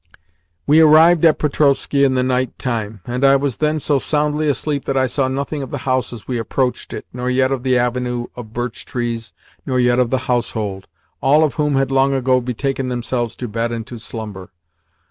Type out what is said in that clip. We arrived at Petrovskoe in the night time, and I was then so soundly asleep that I saw nothing of the house as we approached it, nor yet of the avenue of birch trees, nor yet of the household all of whom had long ago betaken themselves to bed and to slumber.